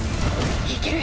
いける！